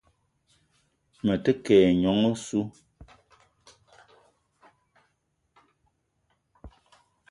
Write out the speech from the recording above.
Me te ke ayi nyong oseu.